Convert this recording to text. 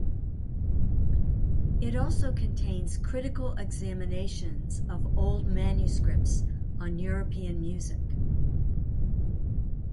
It also contains critical examinations of old manuscripts on European music.